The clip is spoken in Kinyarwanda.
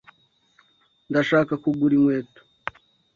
Ndashaka kugura inkweto.